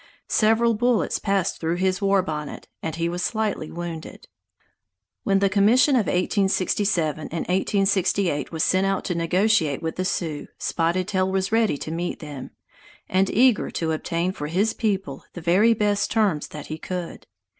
Several bullets passed through his war bonnet, and he was slightly wounded. When the commission of 1867 1868 was sent out to negotiate with the Sioux, Spotted Tail was ready to meet them, and eager to obtain for his people the very best terms that he could.